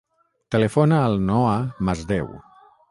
Telefona al Noah Masdeu.